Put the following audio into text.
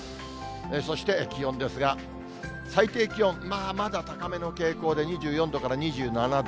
そして気温ですが、最低気温、まあ、まだ高めの傾向で、２４度から２７度。